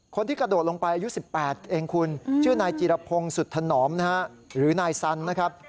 คนที่กระโดดลงไปอายุ๑๘เองคุณชื่อนายจิรพงศ์สุธนอมนะฮะหรือนายสันนะครับ